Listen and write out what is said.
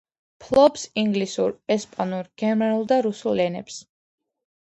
ფლობს ინგლისურ, ესპანურ, გერმანულ და რუსულ ენებს.